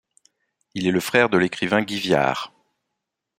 Il est le frère de l'écrivain Guy Viarre.